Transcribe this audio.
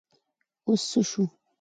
اوس څه شو ؟